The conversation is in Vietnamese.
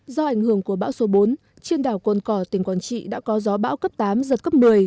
do ảnh hưởng của bão số bốn trên đảo cồn cỏ tỉnh quảng trị đã có gió bão cấp tám giật cấp một mươi